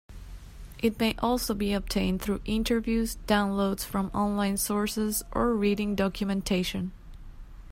It may also be obtained through interviews, downloads from online sources, or reading documentation.